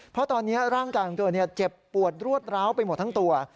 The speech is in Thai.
เพราะตอนนี้ร่างกายของเธอเจ็บปวดรวดร้าวไปหมดทั้งตัว